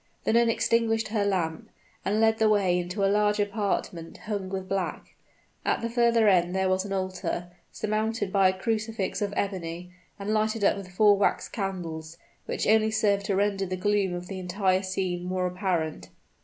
The nun extinguished her lamp, and led the way into a large apartment hung with black. At the further end there was an altar, surmounted by a crucifix of ebony, and lighted up with four wax candles, which only served to render the gloom of the entire scene more apparent.